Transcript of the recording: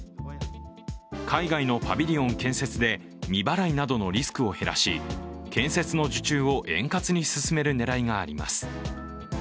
海外のパビリオン建設で未払いなどのリスクを減らし建設の受注を円滑に進める狙いがあります。